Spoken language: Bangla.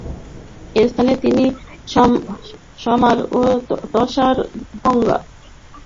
এই স্থানে তিনি স্মার-ত্শাং-ব্কা'-ব্র্গ্যুদ ধর্মীয় গোষ্ঠীর প্রতিষ্ঠা করেন।